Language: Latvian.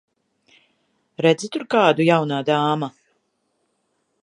Redzi tur kādu, jaunā dāma?